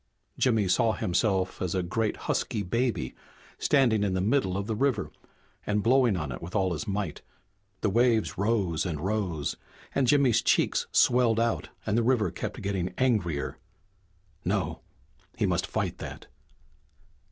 Jimmy saw himself as a great husky baby, standing in the middle of the river and blowing on it with all his might. The waves rose and rose, and Jimmy's cheeks swelled out and the river kept getting angrier. No he must fight that.